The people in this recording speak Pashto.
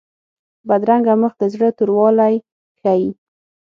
بدرنګه مخ د زړه توروالی ښيي